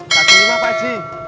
pagi lima pakji